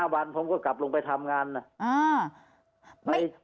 วันผมก็กลับลงไปทำงานนะ